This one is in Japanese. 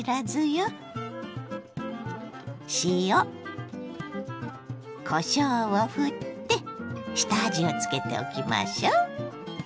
塩こしょうをふって下味をつけておきましょう。